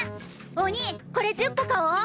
お兄これ１０個買おう！